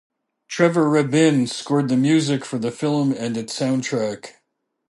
Trevor Rabin scored the music for the film and its soundtrack.